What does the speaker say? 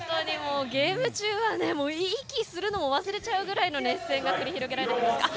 ゲーム中は息するのを忘れちゃうぐらいの熱戦が繰り広げられています。